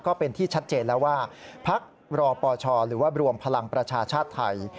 ก็เป็นที่ชัดเจนแล้วว่าพักรอปชหรือว่ารวมพลังประชาชาติไทย